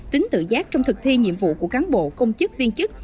tính tự giác trong thực thi nhiệm vụ của cán bộ công chức viên chức